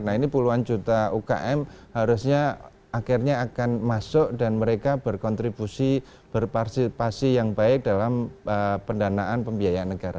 nah ini puluhan juta ukm harusnya akhirnya akan masuk dan mereka berkontribusi berpartisipasi yang baik dalam pendanaan pembiayaan negara